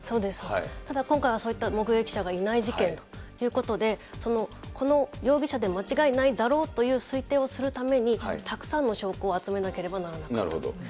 ただ今回はそういった目撃者がいない事件ということで、この容疑者で間違いないだろうという推定をするために、たくさんの証拠を集めなければならなかったと。